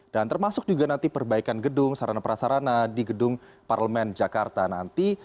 dan termasuk juga nanti perbaikan gedung sarana perasarana di gedung parlemen jakarta nanti